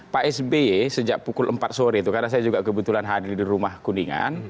pak sby sejak pukul empat sore itu karena saya juga kebetulan hadir di rumah kuningan